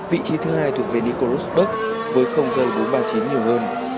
vị trí thứ hai thuộc về nico rosberg với giây bốn ba mươi chín nhiều hơn